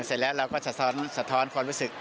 เสร็จแล้วเราก็สะท้อนความรู้สึก